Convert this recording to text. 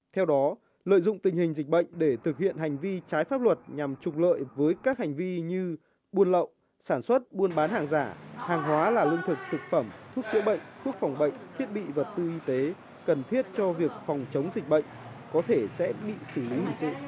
theo đó lợi dụng tình hình dịch bệnh để thực hiện hành vi trái pháp luật nhằm trục lợi với các hành vi như buôn lậu sản xuất buôn bán hàng giả hàng hóa là lương thực thực phẩm thuốc chữa bệnh thuốc phòng bệnh thiết bị vật tư y tế cần thiết cho việc phòng chống dịch bệnh có thể sẽ bị xử lý hình sự